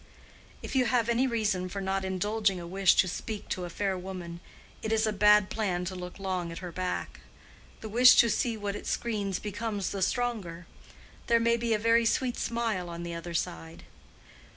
If you have any reason for not indulging a wish to speak to a fair woman, it is a bad plan to look long at her back: the wish to see what it screens becomes the stronger. There may be a very sweet smile on the other side.